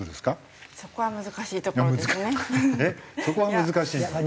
そこは難しいんだ。